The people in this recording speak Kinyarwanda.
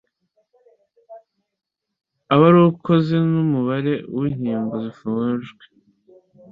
abarukoze n'umubare w'inkingo zifujwe